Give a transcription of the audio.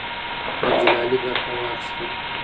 حاجي لالی برخه واخیسته.